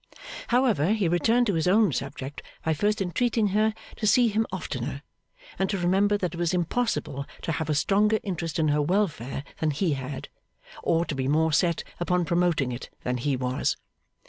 However, he returned to his own subject by first entreating her to see him oftener, and to remember that it was impossible to have a stronger interest in her welfare than he had, or to be more set upon promoting it than he was.